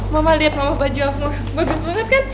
mama mama liat mama baju aku bagus banget kan